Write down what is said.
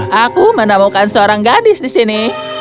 aku menemukan seorang gadis di sini